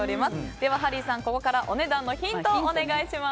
では、ハリーさんお値段のヒントをお願いします。